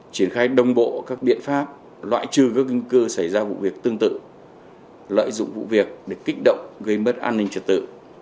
triển khai đồng bộ các biện pháp loại trừ các cơ xảy ra vụ việc tương tự lợi dụng vụ việc để kích động gây mất an ninh trật tự